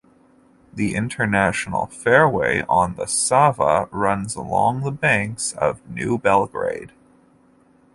The international fairway on the Sava runs along the banks of New Belgrade.